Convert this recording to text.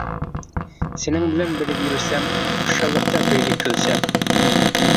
سېنىڭ بىلەن بىرگە يۈرسەم، خۇشاللىقتا بىرگە كۈلسەم.